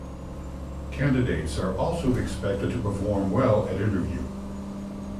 Candidates are also expected to perform well at interview.